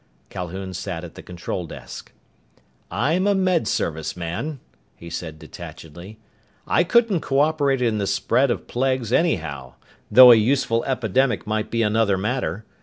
Calhoun sat at the control desk. "I'm a Med Service man," he said detachedly. "I couldn't cooperate in the spread of plagues, anyhow, though a useful epidemic might be another matter.